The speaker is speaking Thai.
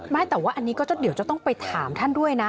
ไม่แต่ว่าอันนี้ก็เดี๋ยวจะต้องไปถามท่านด้วยนะ